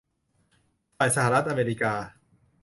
ฝ่ายสหรัฐอเมริกา